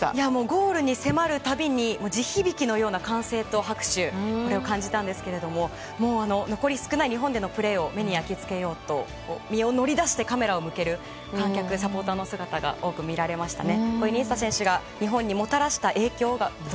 ゴールに迫るたびに地響きのような歓声と拍手を感じたんですが残り少ない日本でのプレーを目に焼き付けようと身を乗り出してカメラを向ける観客、サポーターの姿が多く見られましたね。